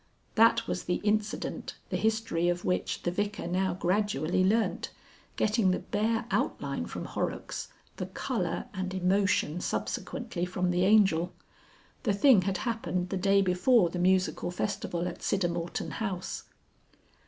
That was the incident the history of which the Vicar now gradually learnt, getting the bare outline from Horrocks, the colour and emotion subsequently from the Angel. The thing had happened the day before the musical festival at Siddermorton House.